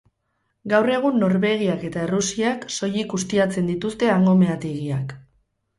Gaur egun Norvegiak eta Errusiak soilik ustiatzen dituzte hango meategiak.